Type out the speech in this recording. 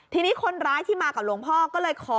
ทีนี้คนร้ายที่มากับหลวงพ่อก็เลยขอ